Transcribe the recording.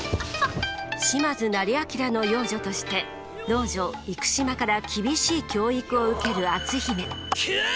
島津斉彬の養女として老女幾島から厳しい教育を受ける篤姫。